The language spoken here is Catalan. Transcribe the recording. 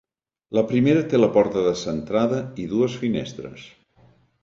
La primera té la porta descentrada i dues finestres.